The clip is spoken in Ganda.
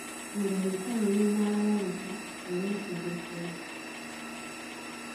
"Ng’olutalo lunaabaluka, olwetegekera."